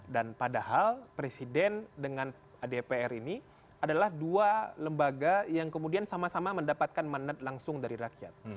dan padahal presiden dengan adpr ini adalah dua lembaga yang kemudian sama sama mendapatkan manat langsung dari rakyat